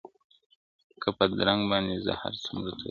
كه په رنگ باندي زه هر څومره تورېږم.